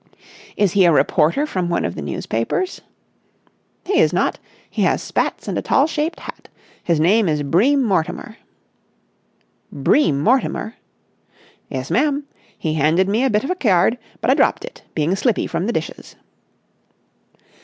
"Is he a reporter from one of the newspapers?" "He is not. He has spats and a tall shaped hat. His name is Bream Mortimer." "Bream Mortimer!" "Yes, ma'am. He handed me a bit of a kyard, but I dropped it, being slippy from the dishes."